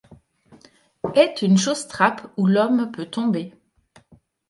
Est une chausse-trappe où l’homme peut tomber.